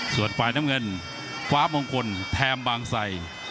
ส่วนฝ่ายน้ำเงินฟ้ามงคลแทนบางไส